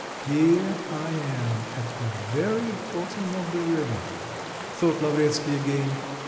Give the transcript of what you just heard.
"Here I am at the very bottom of the river," thought Lavretsky again.